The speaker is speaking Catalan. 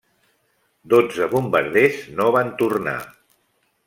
Dotze bombarders no van tornar.